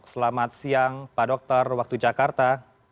selamat siang pak dokter waktu jakarta